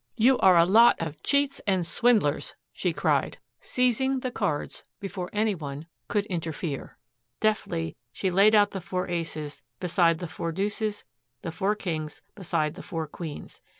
"You are a lot of cheats and swindlers," she cried, seizing the cards before any one could interfere. Deftly she laid out the four aces beside the four deuces, the four kings beside the four queens.